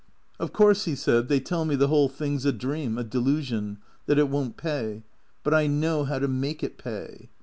" Of course," he said, " they tell me the whole thing 's a dream, a delusion, that it won't pay. But I know how to make it pay.